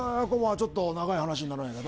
ちょっと長い話になるんやけど。